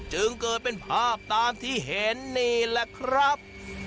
จึงเกิดเป็นภาพตามที่เห็นนี่แหละครับ